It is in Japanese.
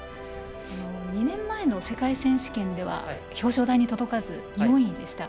２年前の世界選手権では表彰台に届かず４位でした。